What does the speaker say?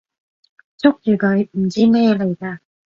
捉住佢！唔知咩嘢嚟㗎！